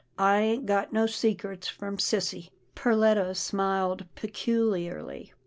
I ain't got no secrets from sissy." Perletta smiled peculiarly.